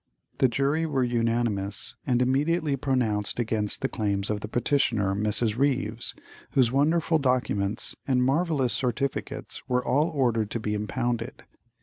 The jury were unanimous, and immediately pronounced against the claims of the petitioner, Mrs. Ryves, whose wonderful documents and marvellous certificates were all ordered to be impounded.